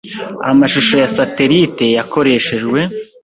Amashusho ya satelite yakoreshejwe